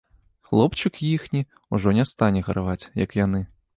Хлопчык іхні ўжо не стане гараваць, як яны.